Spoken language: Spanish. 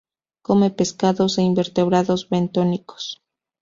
Come pescados e invertebrados bentónicos.